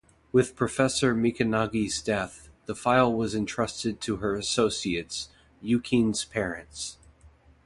With Professor Mikanagi's death, the file was entrusted to her associates, Yukine's parents.